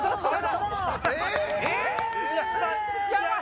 えっ⁉